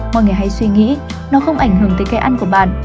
mọi người hãy suy nghĩ nó không ảnh hưởng tới cây ăn của bạn